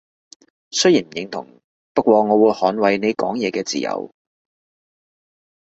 雖然唔認同，不過我會捍衛你講嘢嘅自由